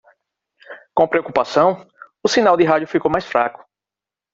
Com preocupação?, o sinal de rádio ficou mais fraco.